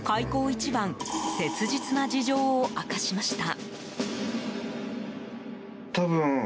一番切実な事情を明かしました。